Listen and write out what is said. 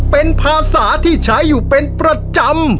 เป็นภาษาที่ใช้อยู่เป็นประจำ